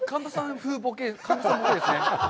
ふうぼけ、神田さんボケですね？